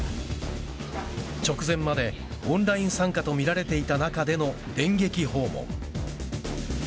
直前までオンライン参加とみられていた中での電撃訪問。